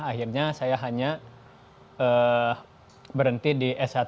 akhirnya saya hanya berhenti di s satu